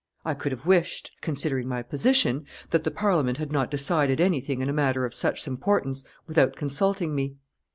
I could have wished, considering my position, that the Parliament had not decided anything in a matter of such importance without consulting me.